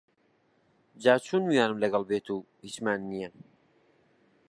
جاچون میوانم دەگەل بێت و هیچمان نییە